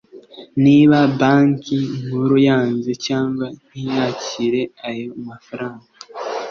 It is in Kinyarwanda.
Niba Banki Nkuru yanze cyangwa ntiyakire ayo mafaranga